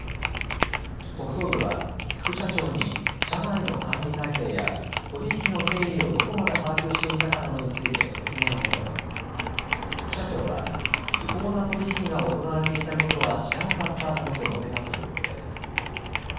特捜部は副社長に社内の管理体制や取り引きの経緯をどこまで把握していたかなどについて説明を求め副社長は違法な取り引きが行われていたことは知らなかったなどと述べたということです。